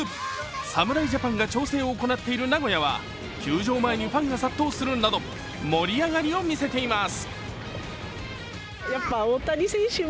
侍ジャパンが調整を行っている名古屋は球場前にファンが殺到するなど盛り上がりを見せています。